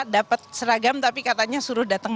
dapat seragam tapi katanya suruh datang